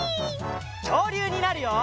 きょうりゅうになるよ！